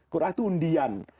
qur'ah itu undian